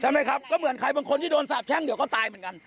ไหมครับก็เหมือนใครบางคนที่โดนสาบแช่งเดี๋ยวก็ตายเหมือนกัน